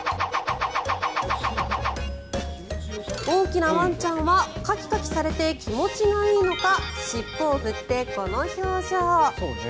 大きなワンちゃんはカキカキされて気持ちがいいのか尻尾を振って、この表情。